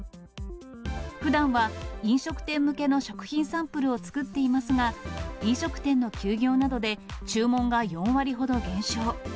ふだんは飲食店向けの食品サンプルを作っていますが、飲食店の休業などで注文が４割ほど減少。